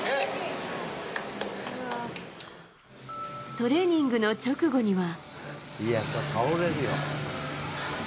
トレーニングの直後には。